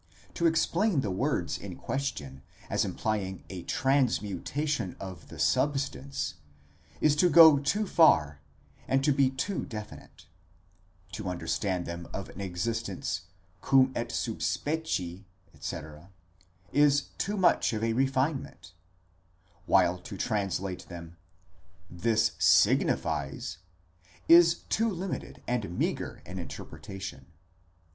To explain the words in question as imply ing a transmutation of the substance, is to go too far, and to be too definite ; to understand them of an existence cus et sub specie, etc., is too much of a re finement ; while to translate them: ¢Ais signifies, is too limited and meagre an interpretation.